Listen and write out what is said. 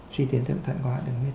suy tiến thượng thận có hạ thường huyết